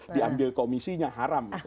diambil komisinya haram